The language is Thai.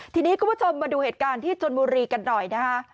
ทีนี้คุณผู้ชมมาดูเหตุการณ์ที่ชนบุรีกันหน่อยนะคะ